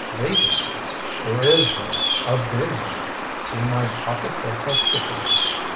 Vacancies! There is one a big one. See my pocket for particulars.